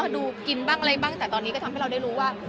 ดูกินบ้างอะไรบ้างแต่ตอนนี้ก็ทำให้เราได้รู้ว่า